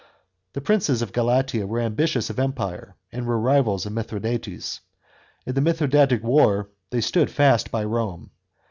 The princes of Galatia were ambitious of empire and were rivals of Mithradates. In the Mithradatic war they stood fast by Rome.